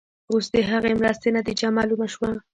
اوس د هغې مرستې نتیجه معلومه شوه.